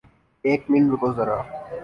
ایک منٹ رکو زرا